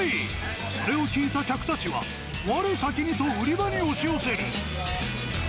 それを聞いた客たちは、われ先にと売り場に押し寄せる。